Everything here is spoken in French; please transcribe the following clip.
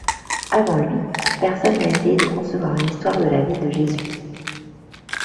Avant lui, personne n'a essayé de concevoir une histoire de la vie de Jésus.